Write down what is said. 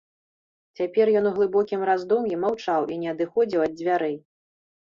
Цяпер ён у глыбокім раздум'і маўчаў і не адыходзіў ад дзвярэй.